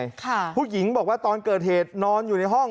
ค่ะผู้หญิงบอกว่าตอนเกิดเหตุนอนอยู่ในห้อง